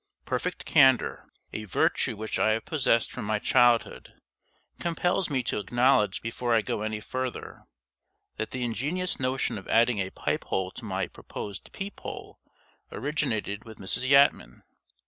Perfect candor a virtue which I have possessed from my childhood compels me to acknowledge, before I go any further, that the ingenious notion of adding a pipe hole to my proposed peep hole originated with Mrs. Yatman.